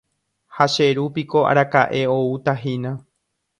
Ha che ru piko araka'e outahína.